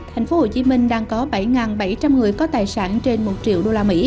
thành phố hồ chí minh đang có bảy bảy trăm linh người có tài sản trên một triệu